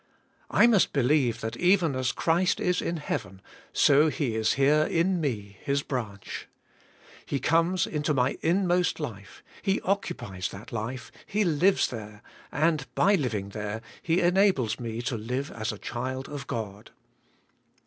I must believe that even as Christ is in heaven, so He is here in me, His branch. He comes into my inmost life, He occupies that life, He lives there, and by living there He enables me to live as a child of God.